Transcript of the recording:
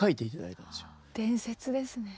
伝説ですね。